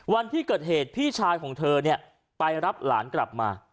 วันที่เกิดเหตุพี่ชายของเธอเนี่ยไปรับหลานกลับมา